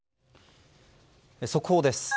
速報です。